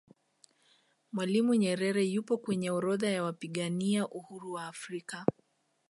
mwalimu nyerere yupo kwenye orodha ya wapigania uhuru wa afrika